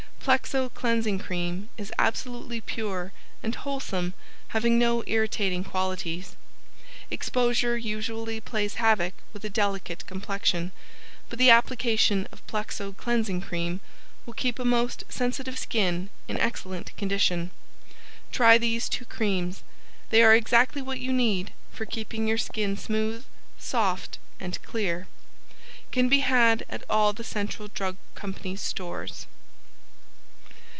Plexo Cleansing Cream is absolutely pure and wholesome having no irritating qualities. Exposure usually plays havoc with a delicate complexion, but the application of Plexo Cleansing Cream will keep a most sensitive skin in excellent condition. Try these two creams. They are exactly what you need for keeping your skin smooth, soft and clear. CAN BE HAD AT ALL THE CENTRAL DRUG CO'S STORES.